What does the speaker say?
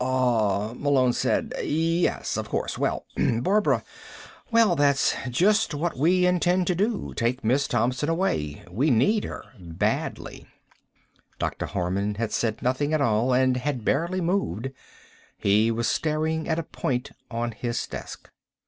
"Ah," Malone said. "Yes. Of course. Well, Barbara ... well, that's just what we intend to do. Take Miss Thompson away. We need her badly." Dr. Harman had said nothing at all, and had barely moved. He was staring at a point on his desk.